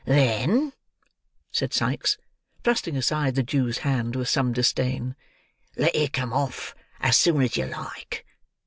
"Then," said Sikes, thrusting aside the Jew's hand, with some disdain, "let it come off as soon as you like.